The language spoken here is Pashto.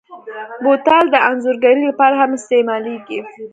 بوتل د انځورګرۍ لپاره هم استعمالېږي.